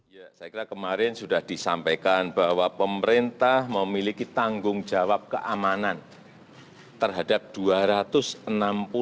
ya saya kira kemarin sudah disampaikan bahwa pemerintah memiliki tanggung jawab keamanan terhadap dua ratus enam puluh orang